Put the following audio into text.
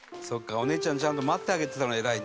お姉ちゃんちゃんと待ってあげてたの偉いな」